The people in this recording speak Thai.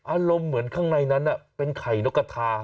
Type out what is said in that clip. อารมณ์เหมือนข้างในนั้นเป็นไข่นกกระทา